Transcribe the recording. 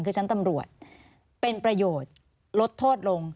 คือชั้นตำรวจเป็นประโยชน์ลดโทษลง